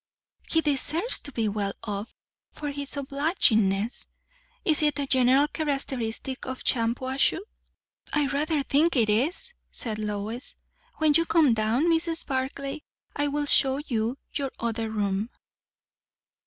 "He deserves to be well off, for his obligingness. Is it a general characteristic of Shampuashuh?" "I rather think it is," said Lois. "When you come down, Mrs. Barclay, I will show you your other room."